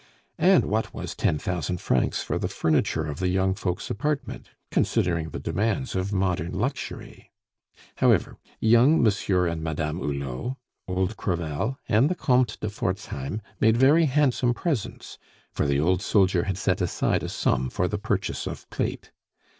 And what was ten thousand francs for the furniture of the young folks' apartment, considering the demands of modern luxury? However, young Monsieur and Madame Hulot, old Crevel, and the Comte de Forzheim made very handsome presents, for the old soldier had set aside a sum for the purchase of plate.